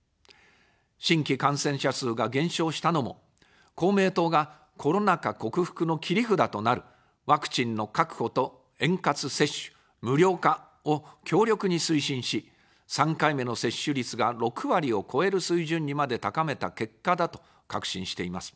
新規感染者数が減少したのも、公明党がコロナ禍克服の切り札となるワクチンの確保と円滑接種、無料化を強力に推進し、３回目の接種率が６割を超える水準にまで高めた結果だと確信しています。